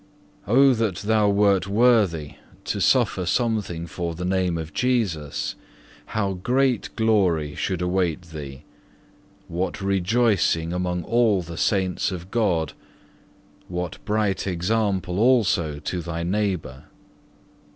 13. Oh that thou wert worthy to suffer something for the name of Jesus, how great glory should await thee, what rejoicing among all the saints of God, what bright example also to thy neighbour!